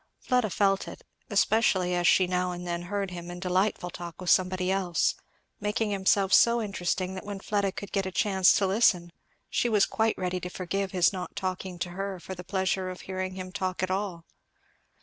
Fleda felt it, especially as she now and then heard him in delightful talk with somebody else; making himself so interesting that when Fleda could get a chance to listen she was quite ready to forgive his not talking to her for the pleasure of hearing him talk at all.